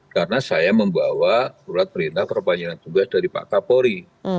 karena saya membawa surat perintah perpanjangan penugasan dari pak kapolri